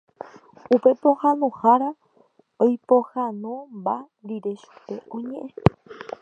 Upe pohãnohára oipohãnomba rire chupe oñe'ẽ.